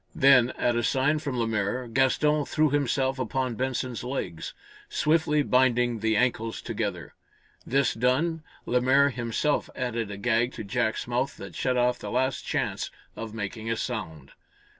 Then, at a sign from Lemaire, Gaston threw himself upon Benson's legs, swiftly binding the ankles together. This done, Lemaire himself added a gag to Jack's mouth that shut off the last chance of making a sound.